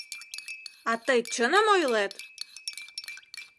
А тый чыным ойлет?